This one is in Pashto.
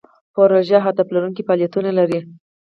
پروژه هدف لرونکي فعالیتونه لري.